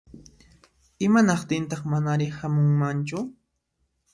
Imanaqtintaq manari hamunmanchu?